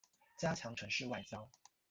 加强城市外交